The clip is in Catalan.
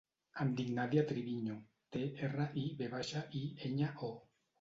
Em dic Nàdia Triviño: te, erra, i, ve baixa, i, enya, o.